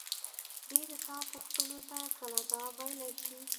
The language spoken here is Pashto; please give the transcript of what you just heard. دى د تا پوښتنو ته کله ځواب ويلاى شي.